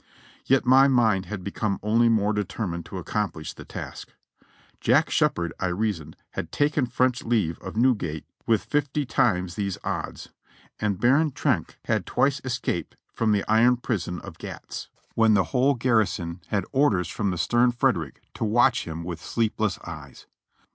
Yet my mind had become only more determined to accom plish the task. Jack Shepherd, I reasoned, had taken French leave of Newgate with fifty times these odds; and Baron Trenck had twice escaped from the iron prison at Gatz, when the whole 460 JOHNNY REB AND BILLY YANK garrison had orders from the stern Frederick to watch him with sleepless eyes.